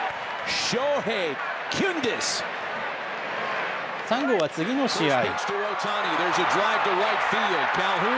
翔平、最後は次の試合。